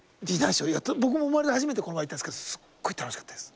僕も生まれて初めてこの前行ったんですけどすっごい楽しかったです。